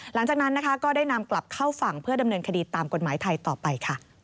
หลังจากนั้นนะคะก็ได้นำกลับเข้าฝั่งเพื่อดำเนินคดีตามกฎหมายไทยต่อไปค่ะ